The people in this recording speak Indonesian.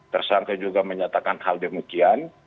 tersangka juga menyatakan hal demikian